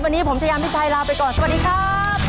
วันนี้ผมชายามิชัยลาไปก่อนสวัสดีครับ